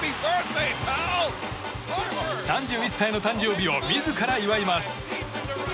３１歳の誕生日を自ら祝います。